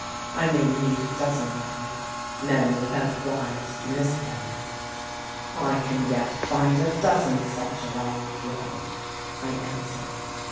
I may need a dozen men; men without wives to miss them." "I can yet find a dozen such along the fiord," I answered.